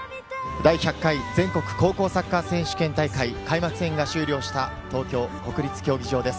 第１００回全国高校サッカー選手権大会開幕戦が終了した東京国立競技場です。